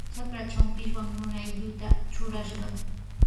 Trakra trawpinman nunaylluta trurashqa.